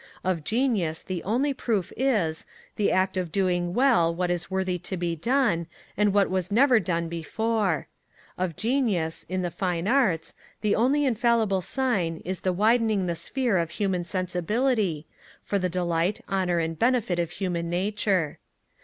Of genius the only proof is, the act of doing well what is worthy to be done, and what was never done before: Of genius, in the fine arts, the only infallible sign is the widening the sphere of human sensibility, for the delight, honour, and benefit of human nature.